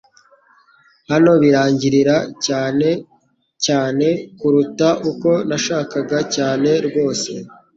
Hano birangirira" cyane cyane kuruta uko nashakaga cyane rwose